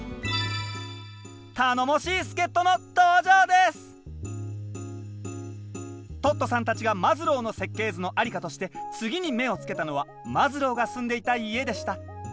はぁ「Ｃｌｏｓｅｔｏｙｏｕ」トットさんたちがマズローの設計図の在りかとして次に目をつけたのはマズローが住んでいた家でした。